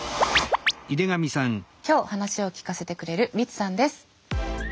今日話を聞かせてくれるリツさんです。